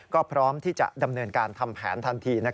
ก็พร้อมที่จะดำเนินการทำแผนทันที